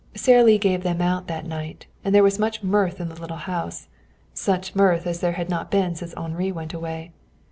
Sara Lee gave them out that night, and there was much mirth in the little house, such mirth as there had not been since Henri went away.